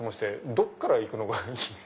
どこからいくのがいい？